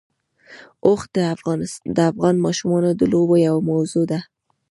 اوښ د افغان ماشومانو د لوبو یوه موضوع ده.